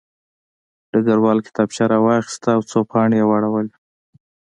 ډګروال کتابچه راواخیسته او څو پاڼې یې واړولې